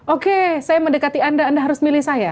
oke saya mendekati anda anda harus milih saya